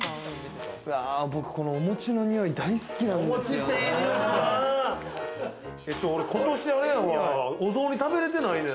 僕このお餅のにおい大好きなんですよね。